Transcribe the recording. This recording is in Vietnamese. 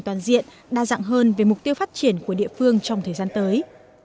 toàn diện đa dạng hơn về mục tiêu phát triển của địa phương trong thời gian tới